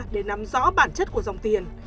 để nắm rõ bản chất của dòng tiền